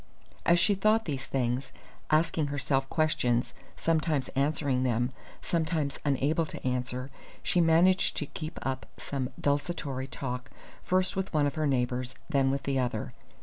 As she thought these things, asking herself questions, sometimes answering them, sometimes unable to answer, she managed to keep up some desultory talk first with one of her neighbours, then with the other.